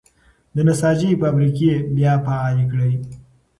د نساجۍ فابریکې بیا فعالې کړئ.